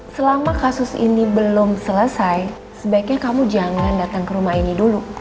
selama kasus ini belum selesai sebaiknya kamu jangan datang ke rumah ini dulu